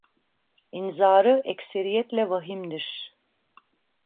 İnzarı ekseriyetle vahimdir.